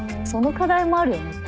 その課題もあるよね。